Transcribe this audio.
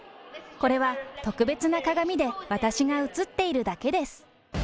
これは特別な鏡で私が映っているだけです。